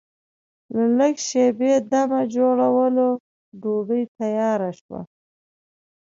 له لږ شېبې دمه جوړولو ډوډۍ تیاره شوه.